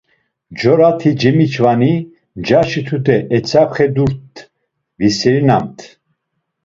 Mcora ti cemiç̌vani ncaşi tude etzapxedurt, viserinamt.